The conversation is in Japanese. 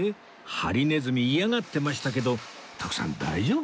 ハリネズミ嫌がってましたけど徳さん大丈夫？